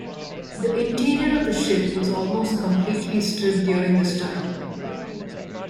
The interior of the ship was almost completely stripped during this time.